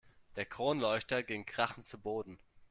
Der Kronleuchter ging krachend zu Boden.